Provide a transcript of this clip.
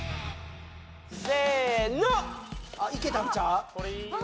せーのいけたんちゃう？